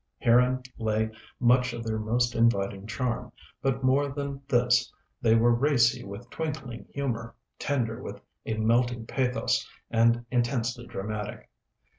Herein lay much of their most inviting charm; but more than this, they were racy with twinkling humor, tender with a melting pathos, and intensely dramatic.